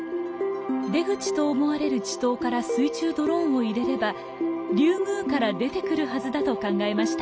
出口と思われる池溏から水中ドローンを入れれば竜宮から出てくるはずだと考えました。